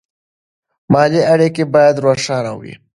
مالي اړیکې باید روښانه وي.